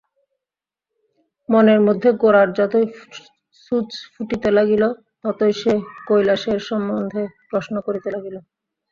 মনের মধ্যে গোরার যতই ছুঁচ ফুটিতে লাগিল ততই সে কৈলাসের সম্বন্ধে প্রশ্ন করিতে লাগিল।